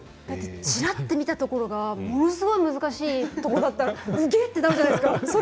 ちらっと見たところが難しいところだったらげ！ってなるじゃないですか。